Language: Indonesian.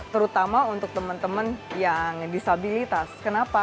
terutama untuk teman teman yang disabilitas kenapa